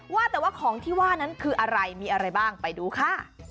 ว่าแต่ว่าของที่ว่านั้นคืออะไรมีอะไรบ้างไปดูค่ะ